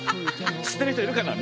知ってる人いるかな？